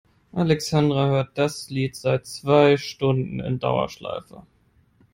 Alexandra hört das Lied seit zwei Stunden in Dauerschleife.